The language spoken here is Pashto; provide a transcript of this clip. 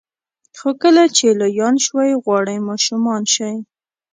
خو کله چې لویان شوئ غواړئ ماشومان شئ.